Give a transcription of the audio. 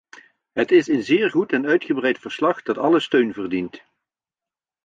Het is een zeer goed en uitgebreid verslag dat alle steun verdient.